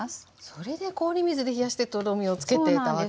それで氷水で冷やしてとろみをつけてたわけですね。